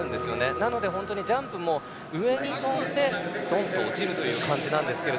なので本当にジャンプも上に跳んで、どんと落ちるという感じなんですが。